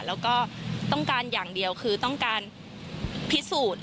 แล้วก็ต้องการอย่างเดียวคือต้องการพิสูจน์